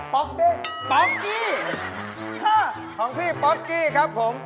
๊อกเด้งป๊อกกี้ค่ะของพี่ป๊อกกี้ครับผม